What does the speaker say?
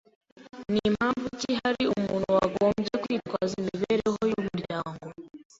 Ni mpamvu ki hari umuntu wagombye kwitwaza imibereho y’umuryango